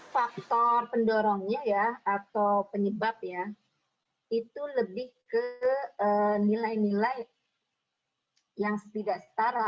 faktor pendorongnya atau penyebab itu lebih ke nilai nilai yang setidak setara